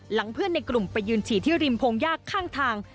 เพื่อนในกลุ่มไปยืนฉีดที่ริมพงยากข้างทาง